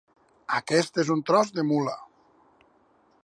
Aquest és un tros de mula.